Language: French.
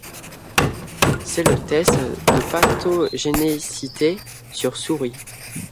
C'est le test de pathogénicité sur souris.